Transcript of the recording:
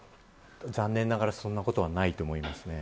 残念ながらそんなことはないと思います。